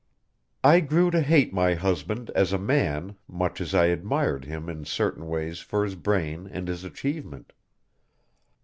"I grew to hate my husband as a man much as I admired him in certain ways for his brain and his achievement.